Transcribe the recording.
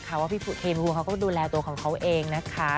เพราะว่าพี่เทมคูเขาก็ดูแลตัวของเขาเองนะคะ